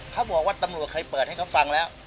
เขาบอกว่าตำรวจเคยเปิดให้เขาฟังแล้ว